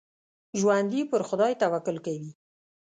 ژوندي پر خدای توکل کوي